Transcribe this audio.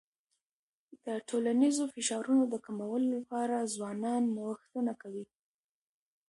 د ټولنیزو فشارونو د کمولو لپاره ځوانان نوښتونه کوي.